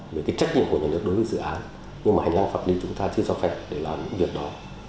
về trách nhiệm của nhà nước đối với dự án nhưng hành lăng pháp lý chúng ta chưa cho phép để làm những việc đó